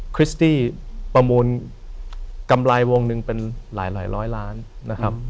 คริสตี้ประมูลกำไรวงหนึ่งเป็นหลายร้อยล้านนะครับ